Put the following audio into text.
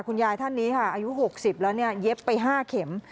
คุณยายท่านนี้ค่ะอายุ๖๐แล้วเย็บไป๕เข็ม